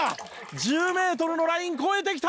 １０メートルのライン越えてきた！